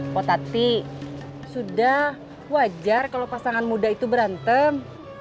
potati sudah wajar kalau pasangan muda itu berantem